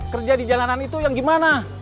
kerja di jalanan itu yang gimana